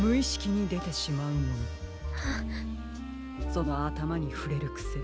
そのあたまにふれるくせ